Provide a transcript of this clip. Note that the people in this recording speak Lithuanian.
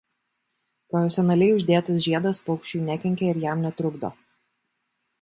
Profesionaliai uždėtas žiedas paukščiui nekenkia ir jam netrukdo.